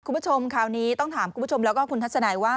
คุณผู้ชมคราวนี้ต้องถามคุณผู้ชมแล้วก็คุณทัศนัยว่า